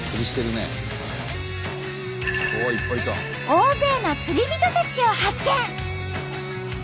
大勢の釣り人たちを発見！